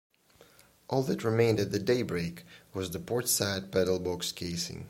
All that remained at daybreak was the portside paddlebox casing.